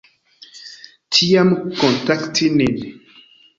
Tiam kontakti nin.